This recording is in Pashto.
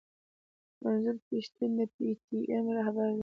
منظور پښتين د پي ټي ايم راهبر دی.